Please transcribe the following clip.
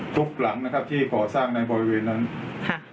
หลังนะครับที่ก่อสร้างในบริเวณนั้นค่ะ